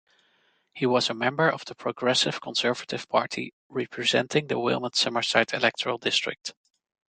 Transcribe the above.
He was a member of the Progressive Conservative Party, representing the Wilmot-Summerside electoral district.